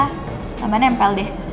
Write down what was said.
lama lama nempel deh